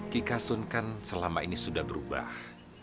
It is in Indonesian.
kika sun kan selama ini sudah berubah